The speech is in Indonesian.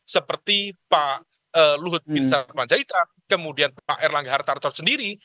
seperti pak luhut bin sarpanjaitan kemudian pak erlangga hartarto sendiri